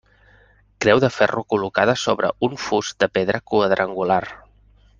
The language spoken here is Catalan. Creu de ferro col·locada sobre un fust de pedra quadrangular.